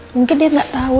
mungkin dia gak tau